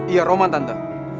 iya roman tante